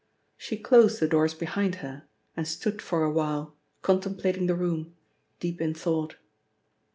She closed the doors behind her and stood for a while contemplating the room, deep in thought.